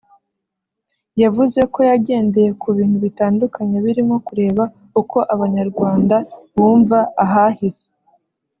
yavuze ko yagendeye ku bintu bitandukanye birimo kureba uko Abanyarwanda bumva ahahise